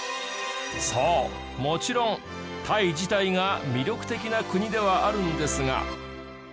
そうもちろんタイ自体が魅力的な国ではあるんですが。